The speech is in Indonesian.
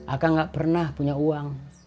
akang gak pernah punya uang